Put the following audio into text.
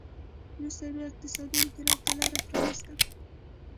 وروسته یې بیا اقتصادي انقلاب ته لار پرانېسته